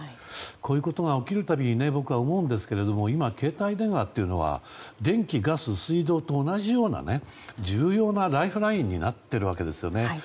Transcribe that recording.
こういうことが起きる度僕は思うんですが今、携帯電話っていうのは電気・ガス・水道と同じような重要なライフラインになっているわけですよね。